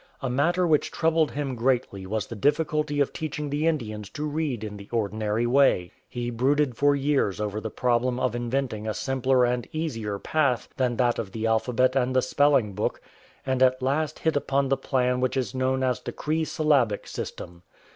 A matter which troubled him greatly was the difficulty of teaching the Indians to read in the ordinary way. He brooded for years over the problem of inventing a simpler and easier path than that of the alphabet and the spelling book, and at last hit upon the plan which is known as the Cree Syllabic System.